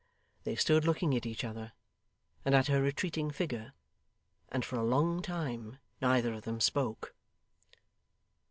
They stood looking at each other, and at her retreating figure, and for a long time neither of them spoke.